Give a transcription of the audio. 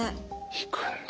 行くんだ。